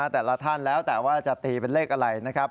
แต่ละท่านแล้วแต่ว่าจะตีเป็นเลขอะไรนะครับ